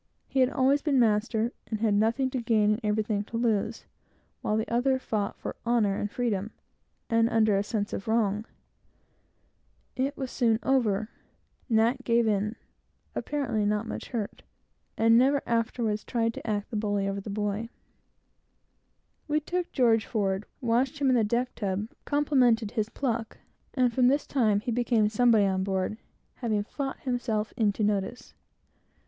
He had always been his master, and had nothing to gain, and everything to lose; while the other fought for honor and freedom, under a sense of wrong. It would not do. It was soon over. Nat gave in; not so much beaten, as cowed and mortified; and never afterwards tried to act the bully on board. We took George forward, washed him in the deck tub, complimented his pluck, and from this time he became somebody on board, having fought himself into notice.